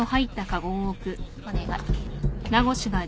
お願い。